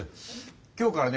今日からね